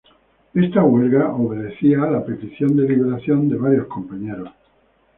Esta huelga obedecía a la petición de liberación de varios compañeros.